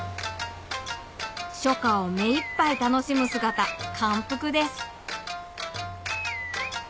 初夏を目いっぱい楽しむ姿感服です